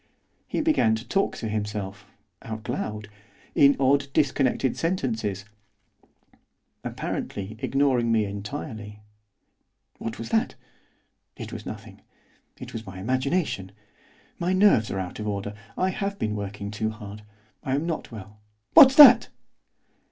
He began to talk to himself, out loud, in odd disconnected sentences, apparently ignoring me entirely. 'What was that? It was nothing. It was my imagination. My nerves are out of order. I have been working too hard. I am not well. _What's that?